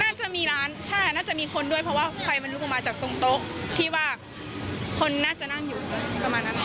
น่าจะมีร้านใช่น่าจะมีคนด้วยเพราะว่าไฟมันลุกออกมาจากตรงโต๊ะที่ว่าคนน่าจะนั่งอยู่ประมาณนั้น